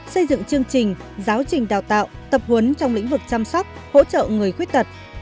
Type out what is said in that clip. xây dựng chương trình giáo trình đào tạo tập huấn trong lĩnh vực chăm sóc hỗ trợ người khuyết tật